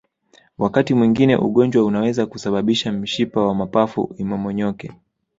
Wakati mwingine ugonjwa unaweza kusababisha mshipa wa mapafu imomonyoke